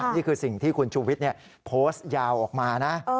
นี่คือสิ่งที่คุณชูวิทย์โพสต์ยาวออกมานะ